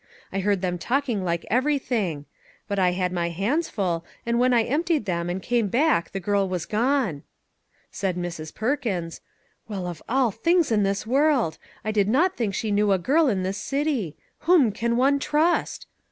I heard them talking like every thing; but I had my hands full, and when I emptied them and came back the girl was gone." Said Mrs. Perkins :" Well of all things in this world ! I did not think she knew a girl in this city. Whom can one trust